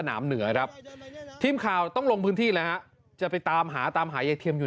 สนามเหนือครับทีมข่าวต้องลงพื้นที่แล้วครับจะไปตามหาต่างหายเท็มอยู่